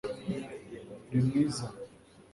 uri mwiza